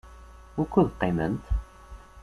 Wukud qiment?